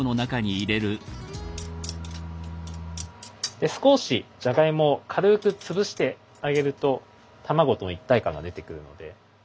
で少しじゃがいもを軽く潰してあげると卵と一体感が出てくるので。